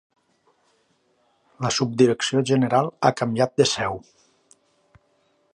La Subdirecció general ha canviat de seu.